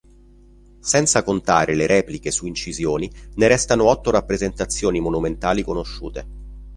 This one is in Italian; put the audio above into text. Senza contare le repliche su incisioni, ne restano otto rappresentazioni monumentali conosciute.